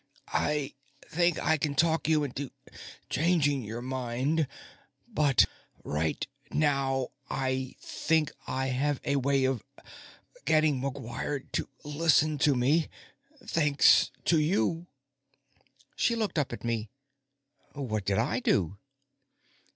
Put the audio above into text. "I think I can talk you into changing your mind, but right now, I think I have a way of getting McGuire to listen to me, thanks to you." She looked up at me. "What did I do?"